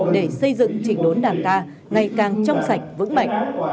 để xây dựng trình đốn đảng ta ngày càng trong sạch vững mạnh